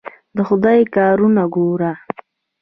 د خدای کارونه ګوره!